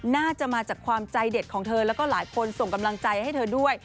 น่าจะมาจากความใจเด็ดของเธอแล้วก็หลายคนส่งกำลังใจให้เธอด้วย